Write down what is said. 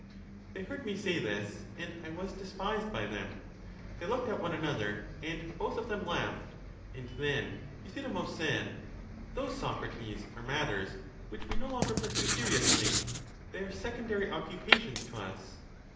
They heard me say this, and I was despised by them; they looked at one another, and both of them laughed; and then Euthydemus said: Those, Socra tes, are matters which we no longer pursue seriously ; they are secondary occupations to us.